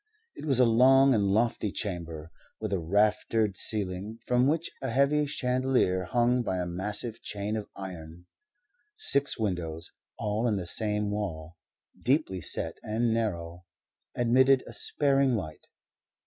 It was a long and lofty chamber, with a raftered ceiling, from which a heavy chandelier hung by a massive chain of iron. Six windows, all in the same wall, deeply set and narrow, admitted a sparing light.